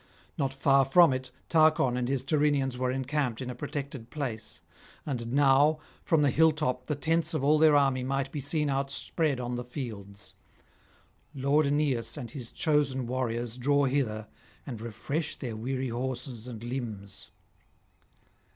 Not far from it Tarchon and his Tyrrhenians were encamped in a protected place; and now from the hill top the tents of all their army might be seen outspread on the fields. Lord Aeneas and his chosen warriors draw hither and refresh their weary horses and limbs.